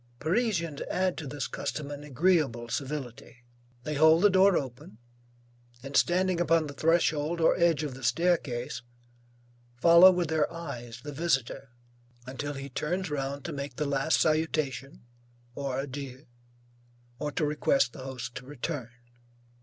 Parisians add to this custom an agreeable civility; they hold the door open, and standing upon the threshold or edge of the staircase, follow with their eyes the visitor until he turns round to make the last salutation or adieu, or to request the host to return.